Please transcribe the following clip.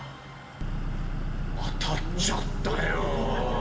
当たっちゃったよ。